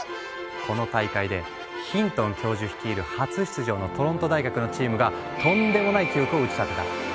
この大会でヒントン教授率いる初出場のトロント大学のチームがとんでもない記録を打ち立てた。